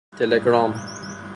تلگرام